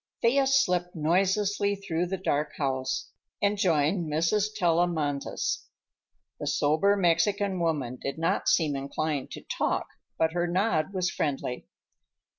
Thea slipped noiselessly through the dark house and joined Mrs. Tellamantez. The somber Mexican woman did not seem inclined to talk, but her nod was friendly.